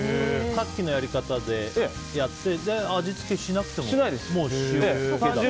さっきのやり方でやって味付けしなくても？しないです。